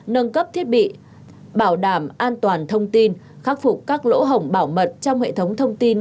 nâng cấp thiết bị bảo đảm an toàn thông tin khắc phục các lỗ hồng bảo mật trong hệ thống thông tin